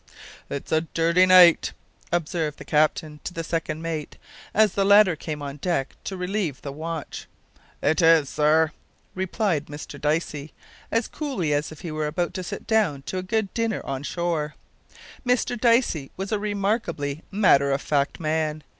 "It's a dirty night," observed the captain, to the second mate, as the latter came on deck to relieve the watch. "It is, sir," replied Mr Dicey, as coolly as if he were about to sit down to a good dinner on shore. Mr Dicey was a remarkably matter of fact man.